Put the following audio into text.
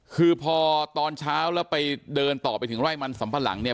คือพอตอนเช้าแล้วไปเดินต่อไปถึงไร่มันสำปะหลังเนี่ย